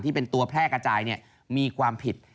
ที่เป็นตัวแพร่กระจายมีความผิด